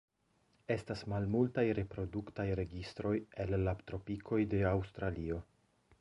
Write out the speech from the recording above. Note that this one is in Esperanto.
Estas malmultaj reproduktaj registroj el la tropikoj de Aŭstralio.